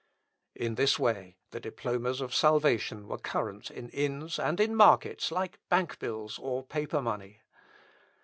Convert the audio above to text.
In this way, the diplomas of salvation were current in inns and in markets like bank bills or paper money.